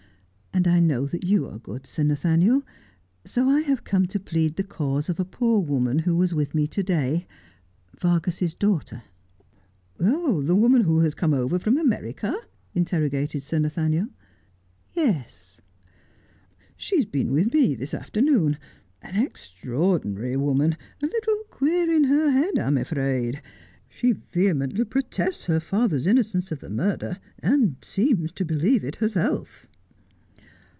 ' And I know that you are good, Sir Nathaniel, so I have come to plead the cause of a poor woman who was with me to day, Vargas's daughter.' ' The woman who has come over from America 1 ' interrogated Sir Nathaniel. ' Yes.' ' She has been with me this afternoon — an extraordinary woman, a little queer in her head, I'm afraid. She vehemently protests her father's innocence df the murder, and seems to believe it herself.'